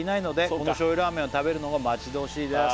「この醤油ラーメンを食べるのが待ち遠しいです」